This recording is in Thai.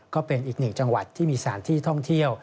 ก็เป็นอีกหนึ่งจังหวัดที่มีสถานที่ท่องเที่ยว